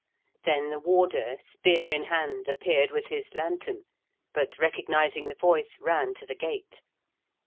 Then the warder, spear in hand, appeared with his lantern, but recognising the voice, ran to the gate.